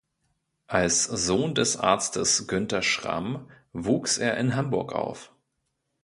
Als Sohn des Arztes Günther Schramm wuchs er in Hamburg auf.